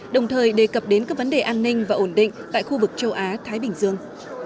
đồng thời đề cập đến các vấn đề an ninh và ổn định tại khu vực châu á thái bình dương